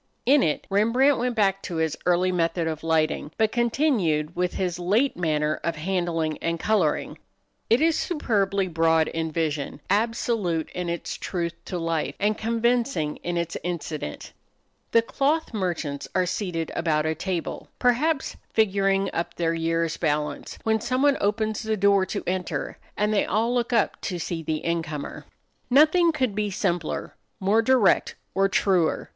In it Rembrandt went back to his early method of lighting, but continued with his late manner of handling and coloring. It is superbly broad in vision, absolute in its truth to life, and convincing in its incident. The cloth merchants are seated about a table, perhaps figuring up their year's balance, when someone opens the door to enter and they all look up to see the incomer. Nothing could be simpler, more direct, or truer.